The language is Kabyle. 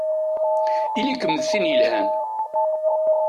Ili-kem d tin yelhan!